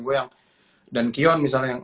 gue yang dan kion misalnya yang